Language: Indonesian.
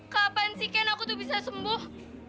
kapan si ken aku tuh bisa sembuh